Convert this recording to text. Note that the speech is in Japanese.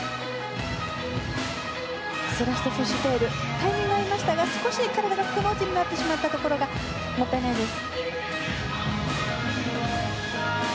タイミングは合いましたが少し体がくの字になってしまったところがもったいないです。